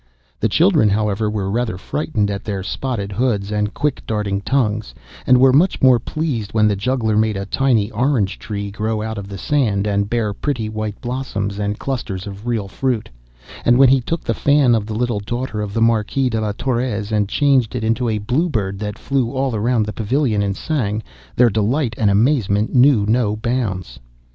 The children, however, were rather frightened at their spotted hoods and quick darting tongues, and were much more pleased when the juggler made a tiny orange tree grow out of the sand and bear pretty white blossoms and clusters of real fruit; and when he took the fan of the little daughter of the Marquess de Las Torres, and changed it into a blue bird that flew all round the pavilion and sang, their delight and amazement knew no bounds.